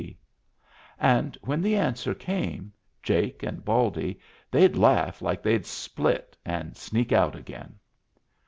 C ? And when the answer came, Jake and Baldy they'd laugh like they'd split and sneak out again.